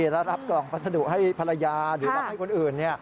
แล้วรับกล่องพัสดุให้ภรรยาหรือรับให้คนอื่น